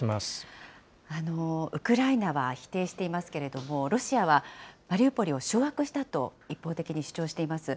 ウクライナは否定していますけれども、ロシアはマリウポリを掌握したと一方的に主張しています。